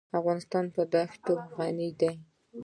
افغانستان په ښتې غني دی.